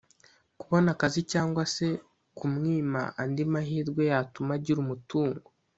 kubona akazi cyangwa se kumwima andi mahirwe yatuma agira umutungo